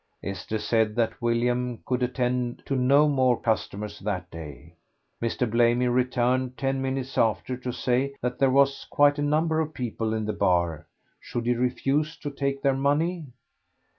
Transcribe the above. Esther said that William could attend to no more customers that day. Mr. Blamy returned ten minutes after to say that there was quite a number of people in the bar; should he refuse to take their money?